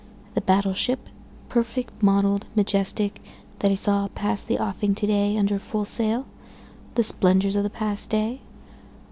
The battle ship, perfect model'd, majestic, that I saw pass the offing to day under full sail? The splendors of the past day?